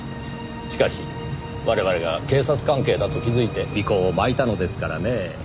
しかし我々が警察関係だと気づいて尾行をまいたのですからねぇ。